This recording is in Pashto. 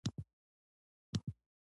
خپله دنده د قانون په رڼا کې ترسره کړي.